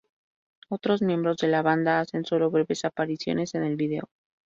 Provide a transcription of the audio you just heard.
Otros miembros de la banda hacen solo breves apariciones en el video.